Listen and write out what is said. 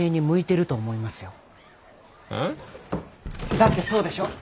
だってそうでしょ。